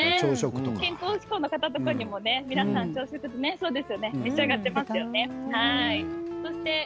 健康志向の方とか皆さん召し上がっていますよね。